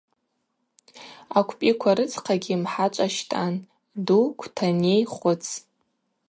Аквпӏиква рыдзхъагьи мхӏачӏва щтӏан: ду, квтаней, хвыц.